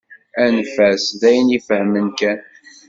Anef-as, d ayen i yefhem kan.